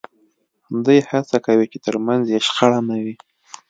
دوی هڅه کوي چې ترمنځ یې شخړه نه وي